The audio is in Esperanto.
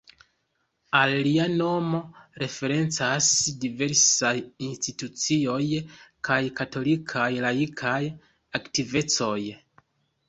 Al lia nomo referencas diversaj institucioj kaj katolikaj laikaj aktivecoj.